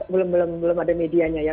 belum belum ada medianya ya